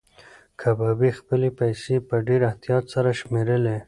کبابي خپلې پیسې په ډېر احتیاط سره شمېرلې.